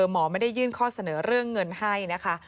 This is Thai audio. หมอไม่ได้ยื่นข้อเสนอเรื่องเงินให้นะคะ